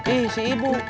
ih si ibu